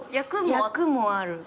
役もある。